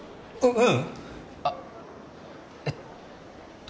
ううんあっえっと